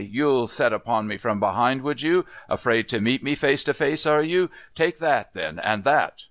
You'd set upon me from behind, would you? Afraid to meet me face to face, are you? Take that, then, and that!"